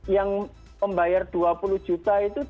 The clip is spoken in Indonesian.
yang membayar dua puluh juta itu